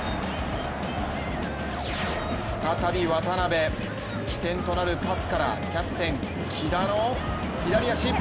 再び渡辺、起点となるパスからキャプテン・喜田の左足！